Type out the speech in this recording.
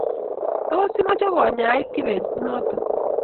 Tos, imache konyait kibet kunoto?